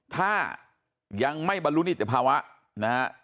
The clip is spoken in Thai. ถ้ายังไม่บรรลุนิติภาวะนะฮะ